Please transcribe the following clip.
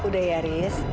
udah ya haris